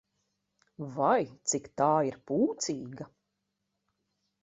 Vai, cik tā ir pūcīga!